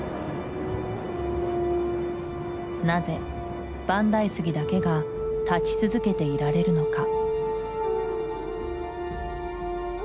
なぜ万代杉だけが立ち続けていられるのか？